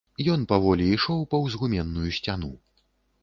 Ён паволі ішоў паўз гуменную сцяну.